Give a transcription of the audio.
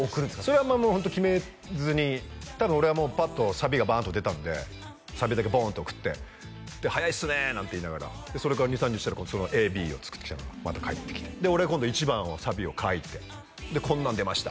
それはホント決めずにただ俺はもうパッとサビがバーンと出たんでサビだけボーンって送って「早いっすね」なんて言いながらそれから２３日したらＡＢを作ってきたのがまた返ってきて俺が今度１番をサビを書いてこんなん出ました